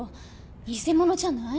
偽者じゃない？